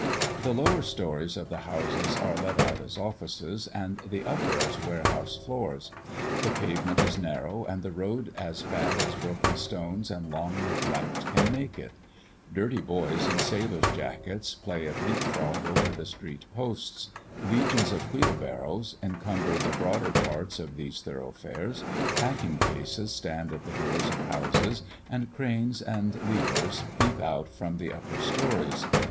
The lower stories of the houses are let out as offices, and the upper as warehouse floors; the pavement is narrow and the road as bad as broken stones and long neglect can make it; dirty boys in sailors' jackets play at leap frog over the street posts; legions of wheel barrows encumber the broader parts of these thoroughfares; packing cases stand at the doors of houses, and cranes and levers peep out from the upper stories.